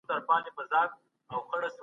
په نظم کي برکت دی.